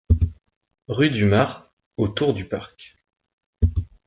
Rue du Mare au Tour-du-Parc